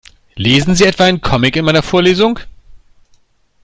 Lesen Sie etwa einen Comic in meiner Vorlesung?